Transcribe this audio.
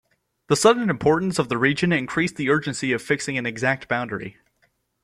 The sudden importance of the region increased the urgency of fixing an exact boundary.